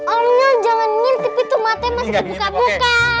om niel jangan ngintip itu matanya masih dibuka buka